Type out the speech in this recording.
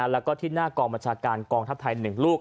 แล้วก็ที่หน้ากองบัญชาการกองทัพไทย๑ลูก